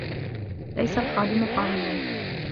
لَيْسَ الْخَادِمُ قَوِيَّا.